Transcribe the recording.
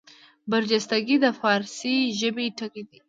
برجستګي د فاړسي ژبي ټکی دﺉ.